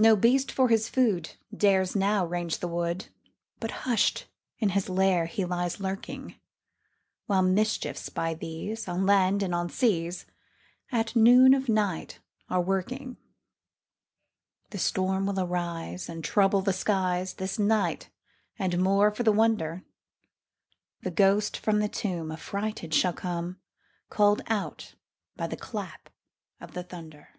No beast, for his food, Dares now range the wood, But hush'd in his lair he lies lurking; While mischiefs, by these, On land and on seas, At noon of night are a working. The storm will arise, And trouble the skies This night; and, more for the wonder, The ghost from the tomb Affrighted shall come, Call'd out by the clap of the thunder.